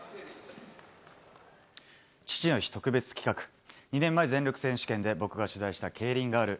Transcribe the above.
父の日特別企画、２年前、全力選手権で僕が取材した競輪ガール。